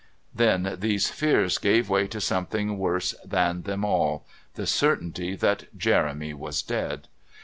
Then these fears gave way to something worse than them all, the certainty that Jeremy was dead.